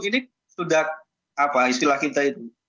ini sudah apa istilah kita itu